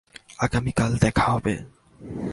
আগামীকাল দেখা হবে!